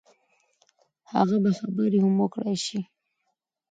هغه به خبرې هم وکړای شي.